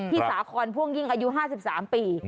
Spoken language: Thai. ที่สาครพ่วงยิ่งอายุ๕๓ปี